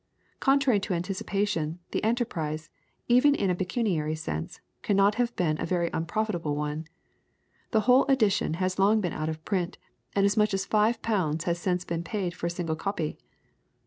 Contrary to anticipation, the enterprise, even in a pecuniary sense, cannot have been a very unprofitable one. The whole edition has long been out of print, and as much as 5 pounds has since been paid for a single copy.